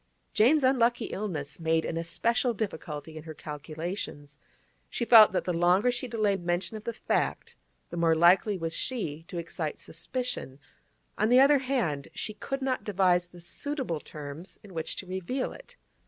Jane's unlucky illness made an especial difficulty in her calculations. She felt that the longer she delayed mention of the fact, the more likely was she to excite suspicion; on the other hand, she could not devise the suitable terms in which to reveal it.